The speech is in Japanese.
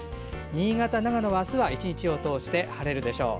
新潟や長野はあすは１日を通して晴れるでしょう。